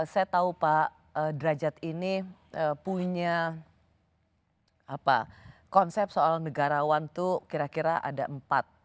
saya tahu pak derajat ini punya konsep soal negarawan itu kira kira ada empat